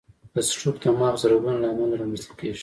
د سټروک د مغز رګونو له امله رامنځته کېږي.